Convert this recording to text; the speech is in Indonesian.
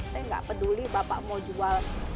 saya nggak peduli bapak mau jual